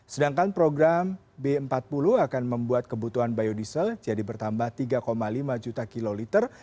sedangkan program b empat puluh akan membuat kebutuhan biodiesel jadi bertambah tiga lima juta kiloliter